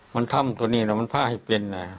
มันทำตัวนี้มันพลาดให้เป็น